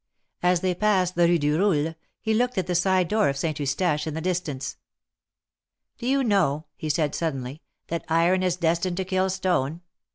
As they passed the Kue du Roule, he looked at the side door of Saint Eustache in the distance. Do you know," he said, suddenly, that iron is destined to kill stone?